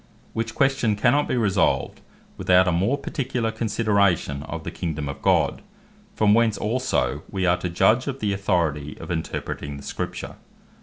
Which question cannot bee resolved, without a more particular consideration of the Kingdome of God; from whence also, wee are to judge of the Authority of Interpreting the Scripture.